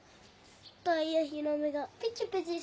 タイやヒラメがピチピチしてた。